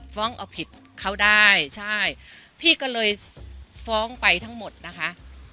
ฟ้องเอาผิดเขาได้ใช่พี่ก็เลยฟ้องไปทั้งหมดนะคะ